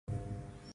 No audio